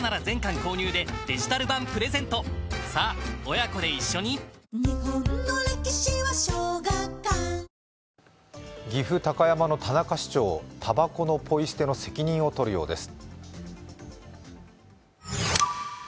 しかし、その市長が岐阜・高山の田中市長、たばこのポイ捨ての責任を取るようです。